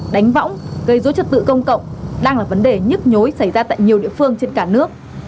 đánh võng gây dối trật tự công cộng đang là vấn đề nhức nhối xảy ra tại nhiều địa phương trên cả nước